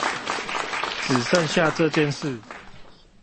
只剩下這件事